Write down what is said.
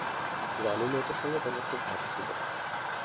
রানু মেয়েটির সঙ্গে তোমার খুব ভাব ছিল।